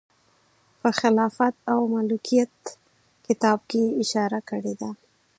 په خلافت او ملوکیت کتاب کې یې اشاره کړې ده.